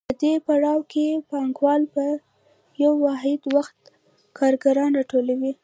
په دې پړاو کې پانګوال په یو واحد وخت کارګران راټولوي